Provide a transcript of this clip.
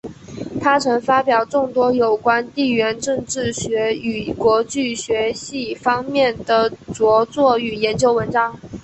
他曾发表众多有关地缘政治学与国际关系方面的着作与研究文章。